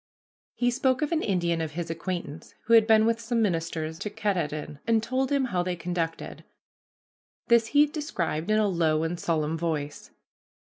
He spoke of an Indian of his acquaintance who had been with some ministers to Katahdin and had told him how they conducted. This he described in a low and solemn voice.